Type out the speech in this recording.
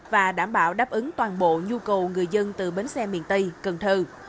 và đảm bảo đáp ứng toàn bộ nhu cầu người dân từ bến xe miền tây cần thơ